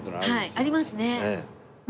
はいありますね。